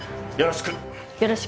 よろしく。